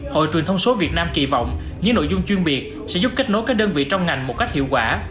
hội truyền thông số việt nam kỳ vọng những nội dung chuyên biệt sẽ giúp kết nối các đơn vị trong ngành một cách hiệu quả